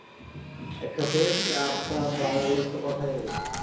একসাথে চাপ-তাপ বাড়ালে তো কথাই নেই।